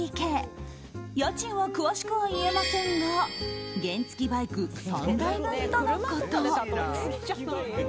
家賃は詳しくは言えませんが原付きバイク３台分とのこと。